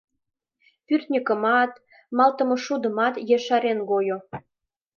Пӱртньыкымат, малтымшудымат ешарен гойо.